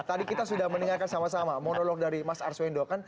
tadi kita sudah mendengarkan sama sama monolog dari mas arswendo kan